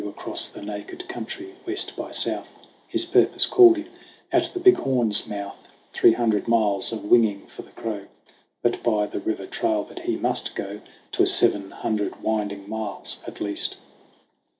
Across the naked country west by south His purpose called him at the Big Horn's mouth Three hundred miles of winging for the crow; But by the river trail that he must go 'Twas seven hundred winding miles at least.